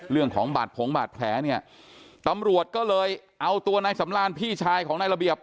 เรื่องของบาดผงบาดแผลเนี่ยตำรวจก็เลยเอาตัวนายสำราญพี่ชายของนายระเบียบ